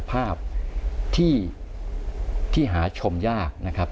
ภาพที่หาชมยากนะครับ